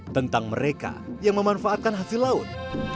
tentang mereka yang memanfaatkan hasil laut